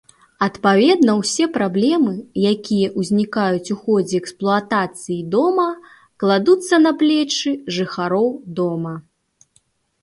Адпаведна ўсе праблемы, якія ўзнікаюць у ходзе эксплуатацыі дома, кладуцца на плечы жыхароў дома.